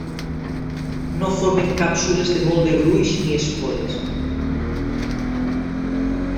No formen càpsules de molt de gruix ni espores.